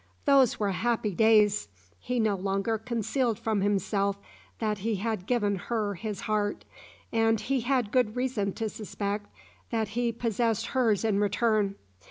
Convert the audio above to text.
Those were happy days! He no longer concealed from himself that he had given her his heart, and he had good reason to suspect that he possessed hers in return.